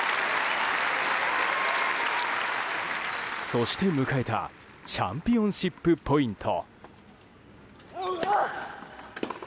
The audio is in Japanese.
そして迎えたチャンピオンシップポイント。